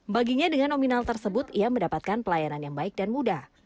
baginya dengan nominal tersebut ia mendapatkan pelayanan yang baik dan mudah